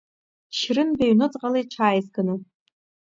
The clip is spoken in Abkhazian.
Шьрынбеи ҩнуҵҟала иҽааизганы.